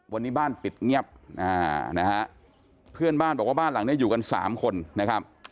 วันนี้บ้านปิดเงียบนะฮะเพื่อนบ้านบอกว่าบ้านหลังนี้อยู่กันสามคนนะครับ